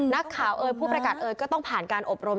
นักข่าวเอ่ยผู้ประกาศเอยก็ต้องผ่านการอบรม